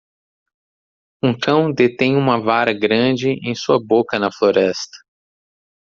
Um cão detém uma vara grande em sua boca na floresta.